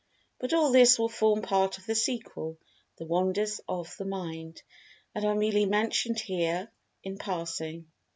But all this will form part of the sequel, "The Wonders of The Mind," and are merely mentioned here in passing.